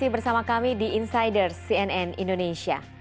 bersama kami di insider cnn indonesia